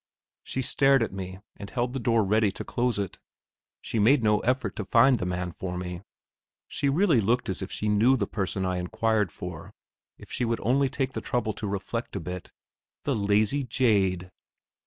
She stared at me, and held the door ready to close it. She made no effort to find the man for me. She really looked as if she knew the person I inquired for, if she would only take the trouble to reflect a bit. The lazy jade!